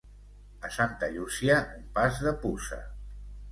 A Santa Llúcia, un pas de puça.